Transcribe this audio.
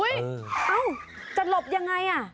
เอ้าจะหลบยังไงอ่ะ